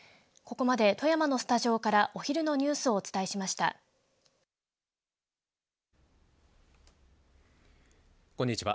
こんにちは。